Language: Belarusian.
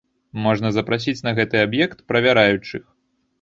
Можна запрасіць на гэты аб'ект правяраючых.